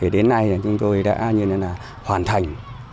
đến nay chúng tôi đã hoàn thành